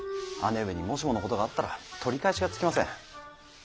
姉上にもしものことがあったら取り返しがつきません。